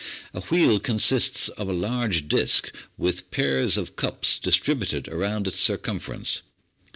A wheel consists of a large disk with pairs of cups distributed round its circum ference.